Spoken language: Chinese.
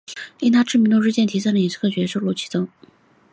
令她知名度日渐提升的影视歌曲也收录其中。